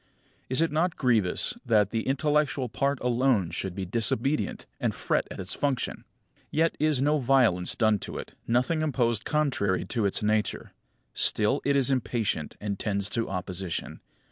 Is it not grievous that the intellectual part alone should be disobedient, and fret at its function? Yet is no violence done to it, nothing imposed contrary to its nature. Still it is impatient, and tends to opposition.